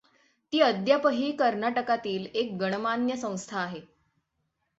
ती अद्यापही कर्नाटकातील एक गणमान्य संस्था आहे.